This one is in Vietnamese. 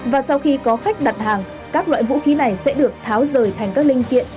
và sau khi có khách đặt hàng các loại vũ khí này sẽ được tháo rời thành các linh kiện